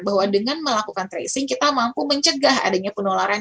bahwa dengan melakukan tracing kita mampu mencegah adanya penularan